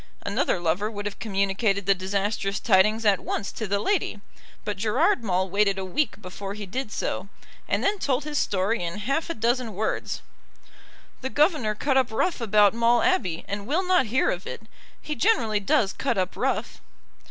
Another lover would have communicated the disastrous tidings at once to the lady; but Gerard Maule waited a week before he did so, and then told his story in half a dozen words. "The governor cut up rough about Maule Abbey, and will not hear of it. He generally does cut up rough."